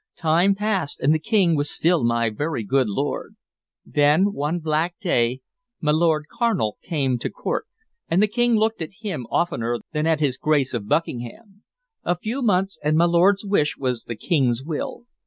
Time passed, and the King was still my very good lord. Then, one black day, my Lord Carnal came to court, and the King looked at him oftener than at his Grace of Buckingham. A few months, and my lord's wish was the King's will.